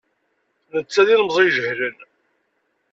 Netta d ilemẓi ijehden.